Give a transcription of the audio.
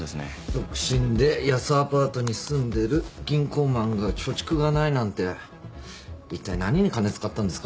独身で安アパートに住んでる銀行マンが貯蓄がないなんていったい何に金使ったんですかね？